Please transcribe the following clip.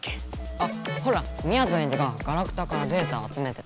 あほらみやぞんエンジがガラクタからデータをあつめてた。